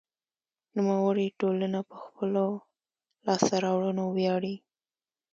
نوموړې ټولنه په خپلو لاسته راوړنو ویاړي.